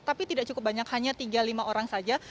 tapi tidak cukup banyak hanya tiga lima orang saja